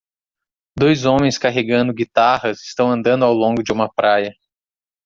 Dois homens carregando guitarras estão andando ao longo de uma praia